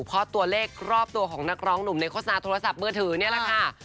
เพราะตัวเลขรอบตัวของนักร้องหนุ่มในโฆษณาโทรศัพท์มือถือนี่แหละค่ะ